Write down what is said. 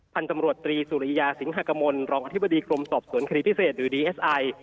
พันธุ์ตำรวจตรีสุริยาสิงหากมลรองอธิบดีกรมสอบสวนคดีพิเศษหรือดีเอสไอ